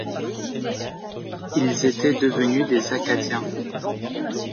Ils étaient devenus des Acadiens.